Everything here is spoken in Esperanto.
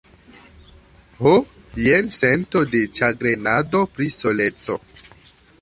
Ho, jen sento de ĉagrenado pri soleco.